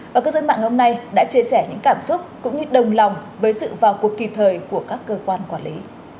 và cư dân mạng hôm nay đã chia sẻ những cảm xúc cũng như đồng lòng với sự vào cuộc kịp thời của các cơ quan quản lý